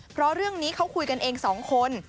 เพราะเรื่องนี้เขาคุยกันเองสองคน